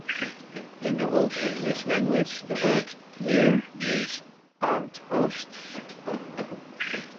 In the Old English language the word "here" means "armed host".